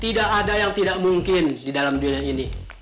tidak ada yang tidak mungkin di dalam dunia ini